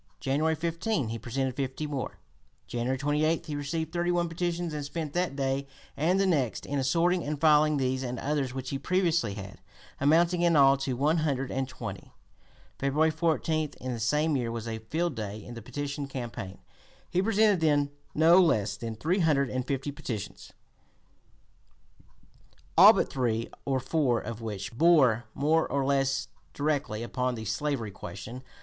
January 15 he presented fifty more. January 28 he received thirty one petitions, and spent that day and the next in assorting and filing these and others which he previously had, amounting in all to one hundred and twenty. February 14, in the same year, was a field day in the petition campaign: he presented then no less than three hundred and fifty petitions, all but three or four of which bore more or less directly upon the slavery question.